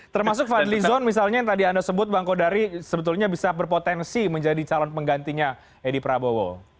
termasuk fadli zon misalnya yang tadi anda sebut bang kodari sebetulnya bisa berpotensi menjadi calon penggantinya edi prabowo